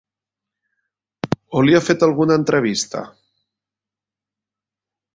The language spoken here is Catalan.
O li ha fet alguna entrevista.